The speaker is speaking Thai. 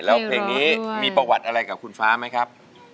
แล้วเพลงนี้มีประวัติอะไรกับคุณฟ้าไหมครับ